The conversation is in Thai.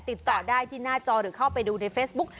ติดต่อได้ที่หน้าจอหรือเข้าไปดูในเฟซบุ๊ก